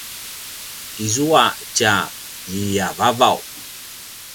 izua tja ljiavavaw